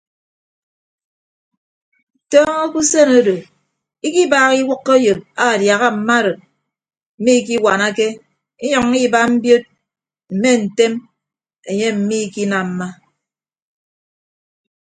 Tọọñọ ke usen odo ikibaaha iwʌkkọ eyop aadiaha mma arịd mmikiwanake inyʌññọ iba mbiod mme ntem enye mmikinamma.